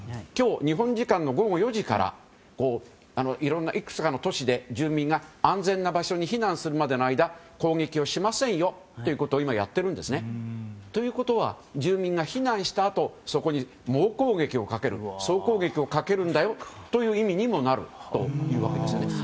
今日、日本時間の午後４時からいろんないくつかの都市で住民が安全な場所に避難するまでの間攻撃をしませんよということを今、やっているんですね。ということは住民が避難したあとそこに猛攻撃をかける総攻撃をかけるんだよという意味にもなるというわけですね。